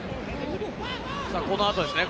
この後ですよね。